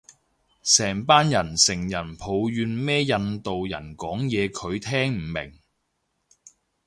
成班人成人抱怨咩印度人講嘢佢聽唔明